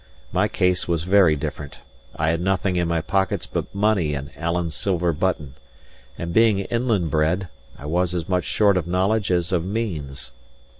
My case was very different. I had nothing in my pockets but money and Alan's silver button; and being inland bred, I was as much short of knowledge as of means.